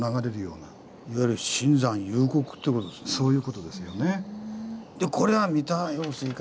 いわゆるそういう事ですよね。